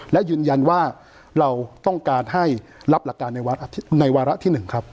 และยืนยันว่าเราต้องการให้รับหลักการในวาระที่๑ครับ